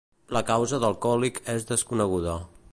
La causa del còlic és desconeguda.